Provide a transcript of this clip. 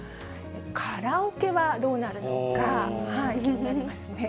カラオケはどうなるのか、気になりますね。